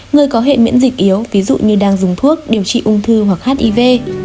người có hệ miễn dịch yếu ví dụ như đang dùng thuốc điều trị ung thư hoặc hiv